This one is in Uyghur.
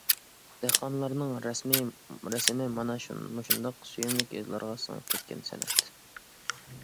دېھقانلارنىڭ رەسىمى مانا مۇشۇنداق‹‹ سۆيۈملۈك يېزىلارغا سىڭىپ كەتكەن›› سەنئەت.